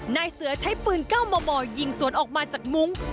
นายเสือใช้ปืน๙มมยิงสวนออกมาจากมุ้ง